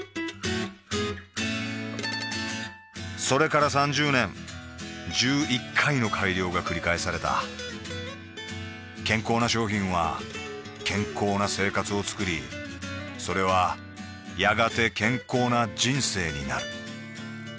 それから３０年１１回の改良がくり返された健康な商品は健康な生活をつくりそれはやがて健康な人生になる